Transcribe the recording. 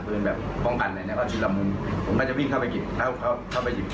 กลุ่มผู้เสียชีวิตกำลังจะพาพวกมาทำร้าย